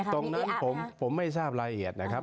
ตรงนั้นผมไม่ทราบรายละเอียดนะครับ